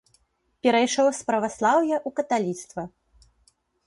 Перайшоў з праваслаўя ў каталіцтва.